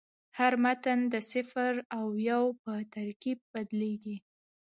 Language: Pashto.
هر متن د صفر او یو په ترکیب بدلېږي.